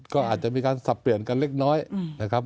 ก็อาจจะมีการสับเปลี่ยนกันเล็กน้อยนะครับ